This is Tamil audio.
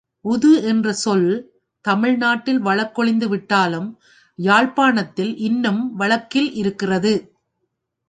உது என்ற சொல் தமிழ்நாட்டில் வழக்கொழிந்துவிட்டாலும், யாழ்ப்பாணத்தில் இன்னும் வழக்கில் இருக்கிறது.